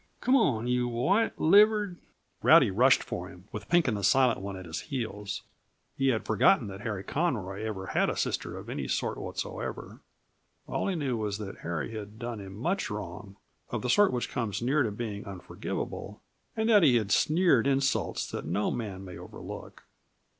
Come on, you white livered !" Rowdy rushed for him, with Pink and the Silent One at his heels. He had forgotten that Harry Conroy ever had a sister of any sort whatsoever. All he knew was that Harry had done him much wrong, of the sort which comes near to being unforgivable, and that he had sneered insults that no man may overlook.